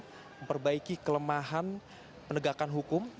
dan juga memperbaiki kelemahan penegakan hukum